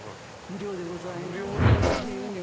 無料でございます！